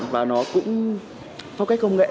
và nó cũng phong cách công nghệ